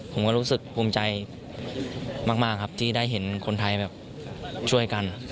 ผมก็รู้สึกภูมิใจมากครับที่ได้เห็นคนไทยแบบช่วยกัน